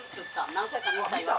何回か見たよ。